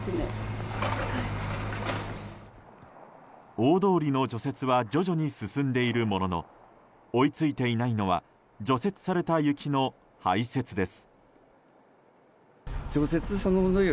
大通りの除雪は徐々に進んでいるものの追いついていないのは除雪された雪の排雪です。